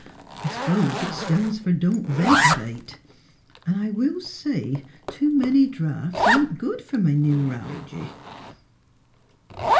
I 'spose it stan's for ' don't ventilate;' 'n' I will say, too many draughts ain't good fer m' neuralgia."